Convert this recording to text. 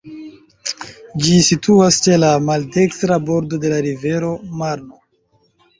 Ĝi situas ĉe la maldekstra bordo de la rivero Marno.